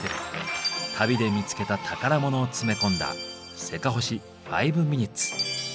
旅で見つけた宝物を詰め込んだ「せかほし５ｍｉｎ．」。